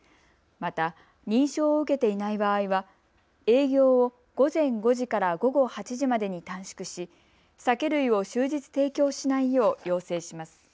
また、認証を受けていない場合は営業を午前５時から午後８時までに短縮し、酒類を終日提供しないよう要請します。